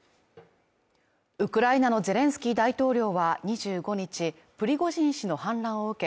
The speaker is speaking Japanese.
ウクライナのゼレンスキー大統領は２５日、プリゴジン氏の反乱を受け